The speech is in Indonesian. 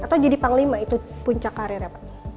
atau jadi panglima itu puncak karir ya pak